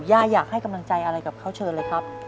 ย่าอยากให้กำลังใจอะไรกับเขาเชิญเลยครับ